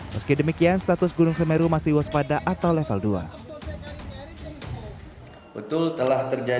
meski demikian status gunung semeru masih waspada atau level dua